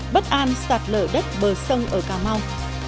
bất an sạt lở đất bờ sông ở cà mau